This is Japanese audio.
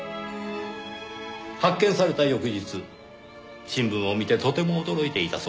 発見された翌日新聞を見てとても驚いていたそうですねぇ。